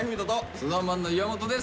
ＳｎｏｗＭａｎの岩本です。